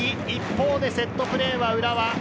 一方でセットプレーは浦和。